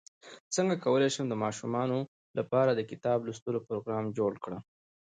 څنګه کولی شم د ماشومانو لپاره د کتاب لوستلو پروګرام جوړ کړم